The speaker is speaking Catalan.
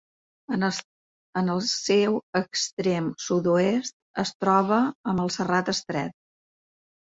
En el seu extrem sud-oest es troba amb el Serrat Estret.